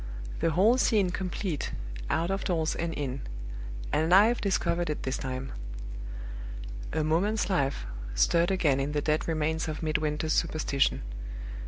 The whole scene complete, out of doors and in; and I've discovered it this time!" A moment's life stirred again in the dead remains of Midwinter's superstition.